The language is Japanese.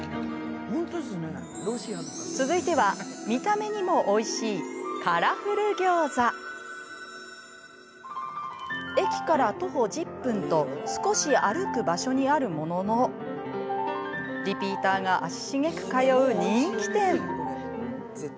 続いては駅から徒歩１０分と少し歩く場所にあるもののリピーターが足しげく通う人気店。